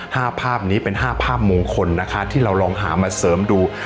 ภาพนี้เป็นห้าภาพมงคลนะคะที่เราลองหามาเสริมดู